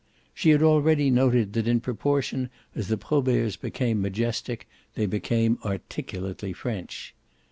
She had already noted that in proportion as the Proberts became majestic they became articulately French.